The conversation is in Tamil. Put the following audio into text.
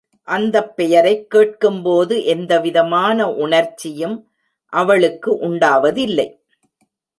அந்தப் பெயரைக் கேட்கும் போது எந்தவிதமான உணர்ச்சியும் அவளுக்கு உண்டாவதில்லை.